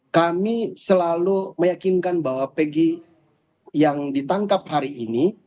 kami selalu meyakinkan bahwa pg yang ditangkap hari ini